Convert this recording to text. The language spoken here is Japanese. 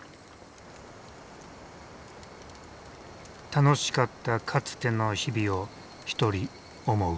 楽しかったかつての日々を一人思う。